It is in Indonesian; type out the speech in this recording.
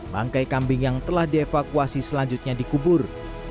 bangkai kambing yang telah dievakuasi selanjutnya dikubur